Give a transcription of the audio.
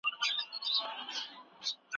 چاپخونې رامنځته شوې او ليکنې خپرې شوې.